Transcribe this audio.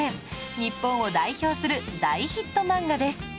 日本を代表する大ヒット漫画です